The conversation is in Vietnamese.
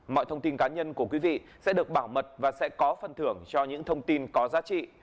mọi thông tin cá nhân của quý vị sẽ được bảo mật và sẽ có phần thưởng cho những thông tin có giá trị